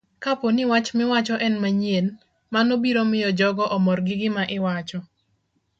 Kapo ni wach miwacho en manyien, mano biro miyo jogo omor gi gima iwacho